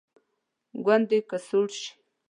ګوندې که سوړ شي.